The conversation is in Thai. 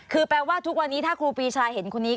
คือแปลว่าทุกวันนี้ถ้าครูปีชาเห็นคนนี้